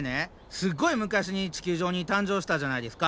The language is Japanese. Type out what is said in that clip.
すっごい昔に地球上に誕生したじゃないですか。